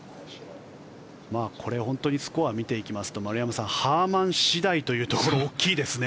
これ、本当にスコアを見ていきますと丸山さん、ハーマン次第というところ大きいですね。